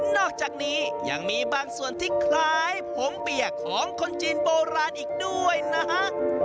นอกจากนี้ยังมีบางส่วนที่คล้ายผมเปียกของคนจีนโบราณอีกด้วยนะฮะ